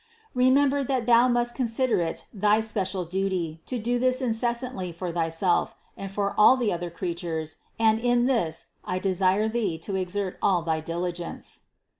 Remember that thou must consider it thy special duty to do this incessantly for thyself and for all the other creatures and in this I desire thee to exert all thy diligence.